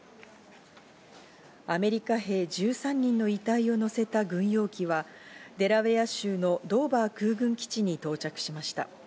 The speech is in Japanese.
アメリカ兵１３人の遺体を乗せた軍用機はデラウェア州のドーバー空軍基地に到着しました。